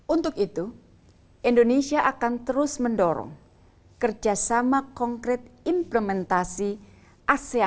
untuk itu indonesia akan terus mendorong kerjasama konkret implementasi asean outlook on the indo pasifik dengan negara mitra